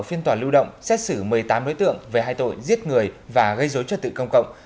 phiên tòa lưu động xét xử một mươi tám đối tượng về hai tội giết người và gây dối trật tự công cộng